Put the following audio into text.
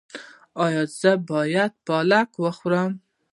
ایا زه باید پالک وخورم؟